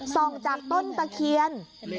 ส่องจากต้นตะเคียน